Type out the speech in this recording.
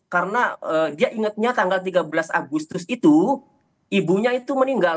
karena dia ingetnya tanggal tiga belas agustus itu ibunya itu meninggal